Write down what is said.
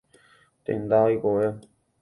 Tenda oikove.